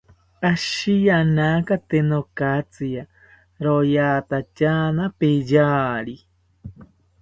Ashiyanaka tee nokatziya, royatatyana peyari